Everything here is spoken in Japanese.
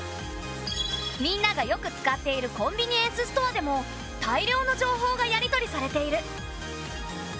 みんながよく使っているコンビニエンスストアでも大量の情報がやり取りされている。